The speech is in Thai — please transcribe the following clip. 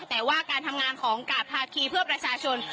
แต่ว่าการทำงานของกาดภาคีเพื่อประชาชน